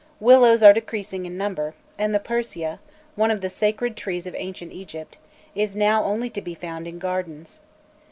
Willows are decreasing in number, and the persea, one of the sacred trees of Ancient Egypt, is now only to be found in gardens.